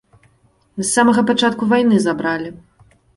З самага пачатку вайны забралі.